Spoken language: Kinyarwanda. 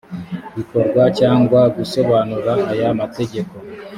bikorwa cyangwa gusobanura aya mategeko